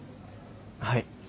はい。